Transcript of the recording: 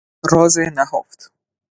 راز نهفت